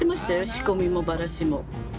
仕込みもバラしも。